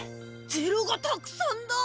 ゼロがたくさんだ。